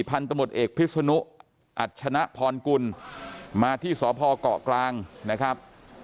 พันธ์ตำรวจเอกพิศนุอัชชนะพรกุลมาที่สอพอกเกาะกลางนะครับ